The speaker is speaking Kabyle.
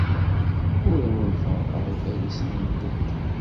Ur awent-ferrqeɣ ifarisen-nwent.